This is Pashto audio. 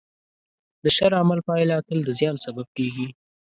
د شر عمل پایله تل د زیان سبب کېږي.